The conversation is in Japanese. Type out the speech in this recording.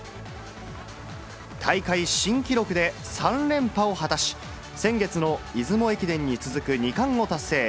大会新記録で、３連覇を果たし、先月の出雲駅伝に続く２冠を達成。